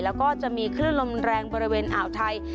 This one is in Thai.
แล้วก็จะมีคลื่นลมแรงบริเวณอ่าวไทย